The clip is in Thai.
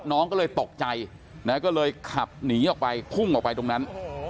น้องก็เลยตกใจนะก็เลยขับหนีออกไปพุ่งออกไปตรงนั้น